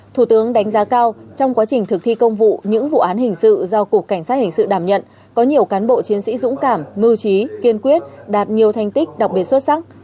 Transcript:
thủ tướng đánh giá cao trong quá trình thực thi công vụ những vụ án hình sự do cục cảnh sát hình sự đảm nhận có nhiều cán bộ chiến sĩ dũng cảm mưu trí kiên quyết đạt nhiều thành tích đặc biệt xuất sắc